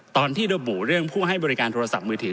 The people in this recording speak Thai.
ตอนที่ระบุเรื่องผู้ให้บริการโทรศัพท์มือถือ